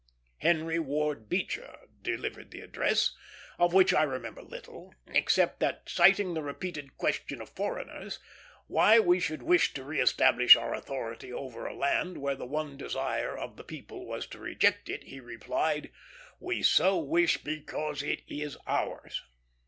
Henry Ward Beecher delivered the address, of which I remember little, except that, citing the repeated question of foreigners, why we should wish to re establish our authority over a land where the one desire of the people was to reject it, he replied, "We so wish, because it is ours."